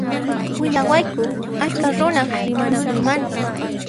Willawayku askha runaq rimanakuymanta.